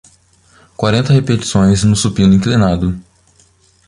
Quarenta repetições no supino inclinado